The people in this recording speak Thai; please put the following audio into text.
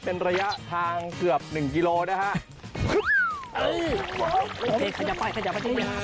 เป็นระยะทางเกือบ๑กิโลนะครับ